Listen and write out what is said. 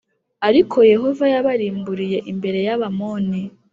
ariko yehova yabarimburiye+ imbere y’abamoni